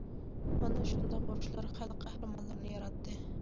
مانا شۇنداق ئۇرۇشلار خەلق قەھرىمانلىرىنى ياراتتى.